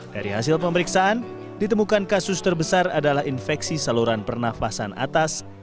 dari hasil pemeriksaan ditemukan kasus terbesar adalah infeksi saluran pernafasan atas